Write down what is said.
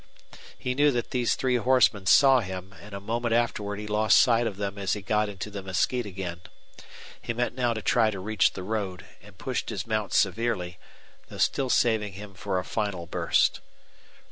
He knew when these three horsemen saw him, and a moment afterward he lost sight of them as he got into the mesquite again. He meant now to try to reach the road, and pushed his mount severely, though still saving him for a final burst.